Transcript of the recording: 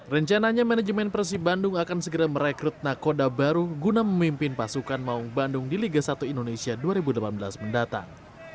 rencananya manajemen persib bandung akan segera merekrut nakoda baru guna memimpin pasukan maung bandung di liga satu indonesia dua ribu delapan belas mendatang